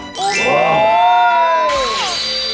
โอ้โห